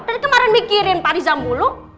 dari kemarin mikirin pak riza mulu